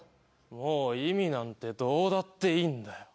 もう意味なんてどうだっていいんだよ。